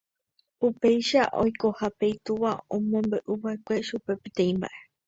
Upéicha oikohápe itúva omombe'uva'ekue chupe peteĩ mba'e.